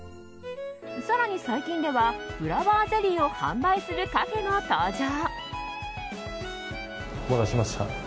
更に最近ではフラワーゼリーを販売するカフェも登場。